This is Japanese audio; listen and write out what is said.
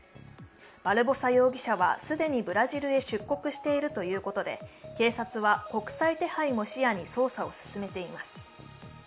バルボサ容疑者は既にブラジルへ出国しているということで警察は国際手配も視野に捜査を進めています。